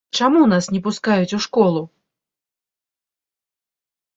Чаму нас не пускаць у школу?